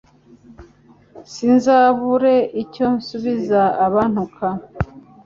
Sinzabure icyo nsubiza abantuka